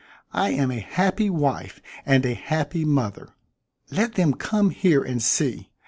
I am a happy wife and a happy mother. Let them come here and see.